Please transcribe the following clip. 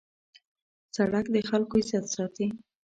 سړک د خلکو عزت ساتي.